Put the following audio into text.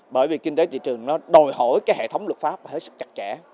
bởi vì kinh tế thị trường nó đồi hổi cái hệ thống luật pháp rất chặt chẽ